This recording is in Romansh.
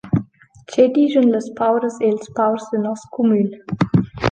Che dischan las pauras e’ls paurs da nos cumün?